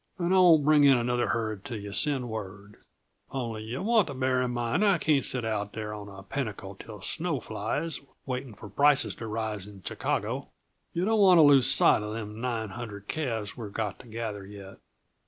And I won't bring in another herd till you send word only yuh want to bear in mind that I can't set out there on a pinnacle till snow flies, waiting for prices to raise in Chicago. Yuh don't want to lose sight uh them nine hundred calves we've got to gather yet."